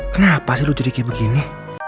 kenapa sih lu jadi kayak begini